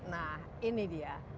nah ini dia